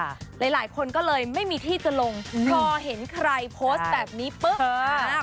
หลายคนก็เลยไม่มีที่จะลงพอเห็นใครโพสต์แบบนี้ปุ๊บ